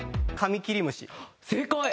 正解！